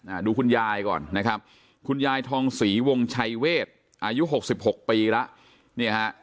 อ่าดูคุณยายก่อนนะครับคุณยายทองศรีวงชัยเวทอายุหกสิบหกปีแล้วเนี่ยฮะ